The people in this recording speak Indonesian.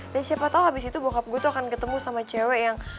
dan siapa tau abis itu bokap gue tuh akan ketemu sama cewek yang